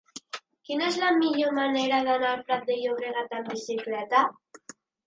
Quina és la millor manera d'anar al Prat de Llobregat amb bicicleta?